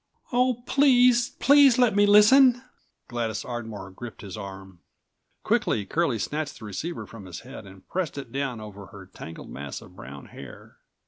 "Oh! Please, please let me listen!" Gladys Ardmore gripped his arm. Quickly Curlie snatched the receiver from his head and pressed it down over her tangled mass of brown hair.